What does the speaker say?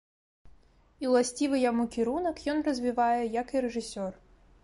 І ўласцівы яму кірунак ён развівае як і рэжысёр.